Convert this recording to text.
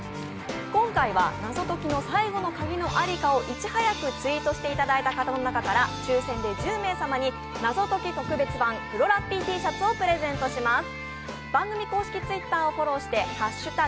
今回は謎解きの最後の鍵のありかをいち早くツイートしていただいた方の中から抽選で１０名様に謎解き特別版！クロラッピーＴシャツをプレゼントします。